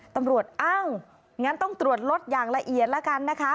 ตำรวจอ้าวงั้นต้องตรวจรถอย่างละเอียดแล้วกันนะคะ